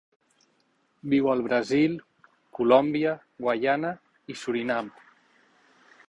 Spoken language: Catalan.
Viu al Brasil, Colòmbia, Guaiana i Surinam.